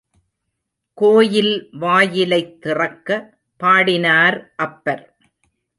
கோயில் வாயிலைத் திறக்க பாடினார் அப்பர்.